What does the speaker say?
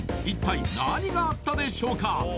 一体何があったでしょうか